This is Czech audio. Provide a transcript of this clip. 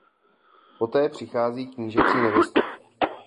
Poté přichází knížecí nevěsta.